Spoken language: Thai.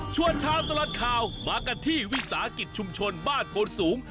เช้าตลอดข่าวมากันที่วิสาหกิจชุมชนบ้านโพนสูง